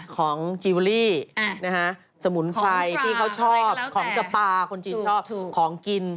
ของจีวอรี่สมุนไพรที่เขาชอบของสปาคนจีนชอบของกิน